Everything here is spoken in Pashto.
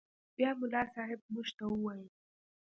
بيا ملا صاحب موږ ته وويل.